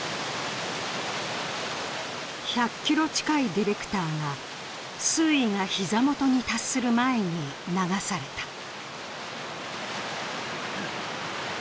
１００ｋｇ近いディレクターが水位が膝元に達する前に流された。